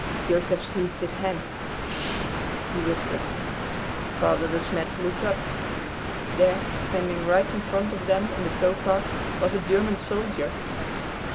Joseph seized his hand. "Hush!" he whispered. Father De Smet looked up. There, standing right in front of them in the tow path, was a German soldier!